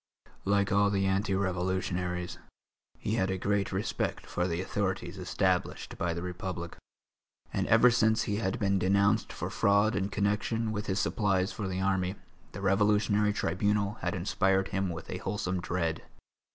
Like all the anti revolutionaries, he had a great respect for the authorities established by the Republic, and ever since he had been denounced for fraud in connection with his supplies for the army, the Revolutionary Tribunal had inspired him with a wholesome dread.